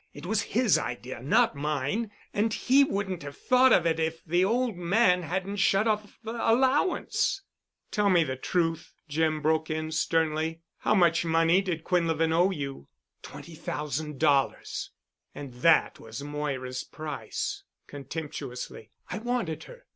It was his idea—not mine. And he wouldn't have thought of it if the old man hadn't shut off the allowance——" "Tell me the truth," Jim broke in sternly. "How much money did Quinlevin owe you?" "Twenty thousand dollars——" "And that was Moira's price——" contemptuously. "I wanted her.